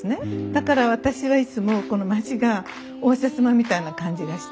だから私はいつもこの町が応接間みたいな感じがして。